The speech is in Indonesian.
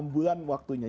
enam bulan waktunya